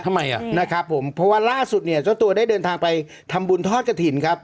ทำไมอ่ะนะครับผมเพราะว่าล่าสุดเนี่ยเจ้าตัวได้เดินทางไปทำบุญทอดกระถิ่นครับ